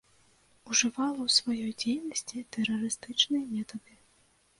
Ужывала ў сваёй дзейнасці тэрарыстычныя метады.